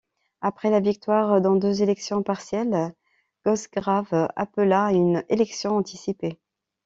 Après la victoire dans deux élections partielles, Cosgrave appela à une élection anticipée.